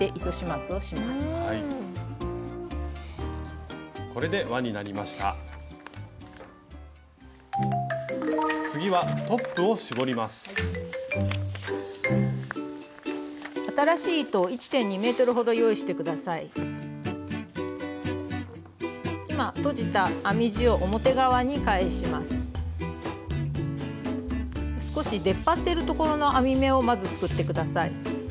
少し出っ張ってるところの編み目をまずすくって下さい。